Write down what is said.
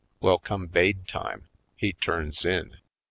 Well, come baid time, he turns in.